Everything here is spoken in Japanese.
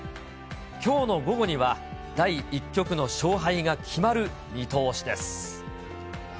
きょうの午後には第１局の勝敗が決まる見通しです。